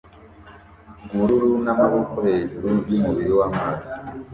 bwubururu n'amaboko hejuru yumubiri wamazi